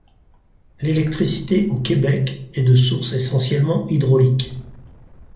L'électricité au Québec est de source essentiellement hydraulique.